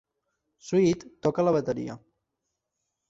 Sweet toca la bateria.